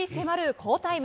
好タイム。